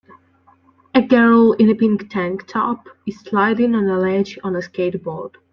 A girl in a pink tank top is sliding on a ledge on a skateboard.